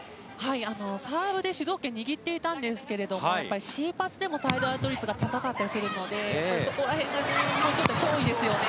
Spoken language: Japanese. サーブで主導権を握っていたんですけどＣパスでもサイドアウト率が高かったりするのでそこら辺が脅威ですね。